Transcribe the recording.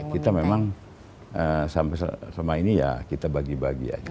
kita memang sampai selama ini ya kita bagi bagi aja